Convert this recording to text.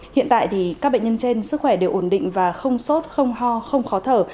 hai trăm sáu mươi ba hiện tại thì các bệnh nhân trên sức khỏe đều ổn định và không sốt không ho không khó thở